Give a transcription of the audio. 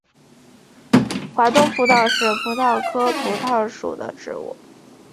华东葡萄是葡萄科葡萄属的植物。